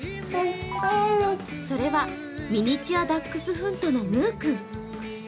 それはミニチュアダックスフントのむぅ君。